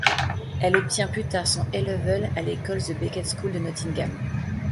Elle obtient plus tard son A-level à l'école the Becket School de Nottingham.